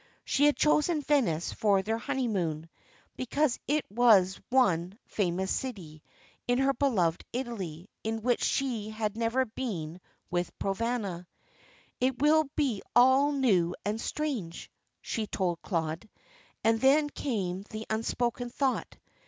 She had chosen Venice for their honeymoon, because it was the one famous city in her beloved Italy in which she had never been with Provana. "It will be all new and strange," she told Claude, and then came the unspoken thought.